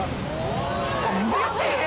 マジ？